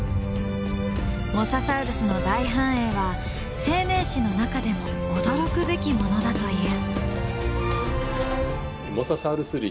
モササウルスの大繁栄は生命史の中でも驚くべきものだという。